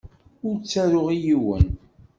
Ur ttaruɣ i yiwen.